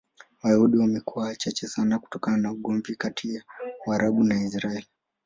Wayahudi wamekuwa wachache sana kutokana na ugomvi kati ya Waarabu na Israel.